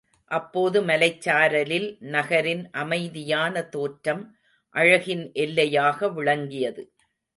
அப்போது மலைச்சாரலில் நகரின் அமைதியான தோற்றம் அழகின் எல்லையாக விளங்கியது.